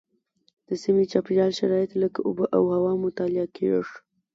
د سیمې د چاپیریال شرایط لکه اوبه او هوا مطالعه کېږي.